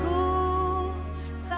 iya kamu ngapain aja cantiklah